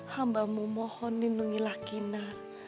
hambamu mohon lindungilah kinar